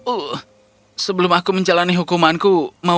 oh sebelum aku menjalani hukumanku